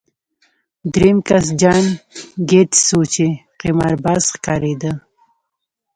درېیم کس جان ګیټس و چې قمارباز ښکارېده